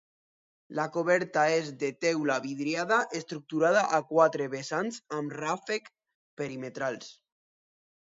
La coberta és de teula vidriada estructurada a quatre vessants amb ràfec perimetrals.